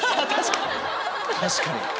確かに。